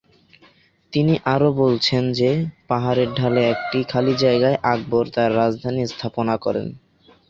তিনি আরও বলছেন যে পাহাড়ের ঢালে একটি খালি জায়গায় আকবর তার রাজধানী স্থাপনা করেন।